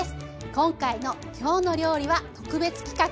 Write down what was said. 今回の「きょうの料理」は特別企画。